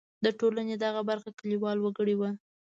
د ټولنې دغه برخه کلیوال وګړي وو.